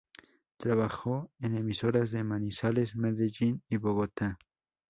Trabajó en emisoras de Manizales, Medellín y Bogotá.